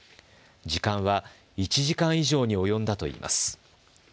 時間は１時間以上に及んだといいます。